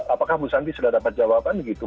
apakah bu santi sudah dapat jawaban begitu